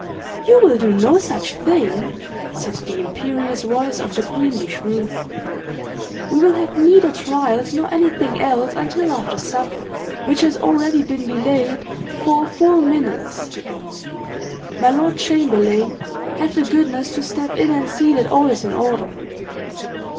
"You will do no such thing!" said the imperious voice of the queenly shrew. "We will have neither trials nor anything else until after supper, which has already been delayed four full minutes. My lord chamberlain, have the goodness to step in and see that all is in order."